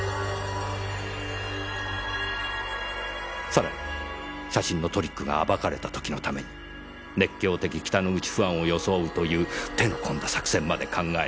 さらに写真のトリックが暴かれた時のために熱狂的北之口ファンを装うという手の込んだ作戦まで考え